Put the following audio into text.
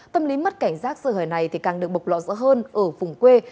tâm lý mất cảnh giác sơ hờ này thì càng được bộc lọ rõ hơn ở vùng quê